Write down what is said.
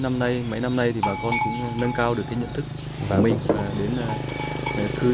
mấy năm nay bà con cũng nâng cao được cái nhận thức của mình